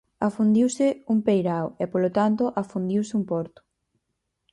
Afundiuse un peirao e, polo tanto, afundiuse un porto.